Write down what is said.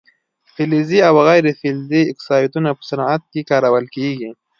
فلزي او غیر فلزي اکسایدونه په صنعت کې کارول کیږي.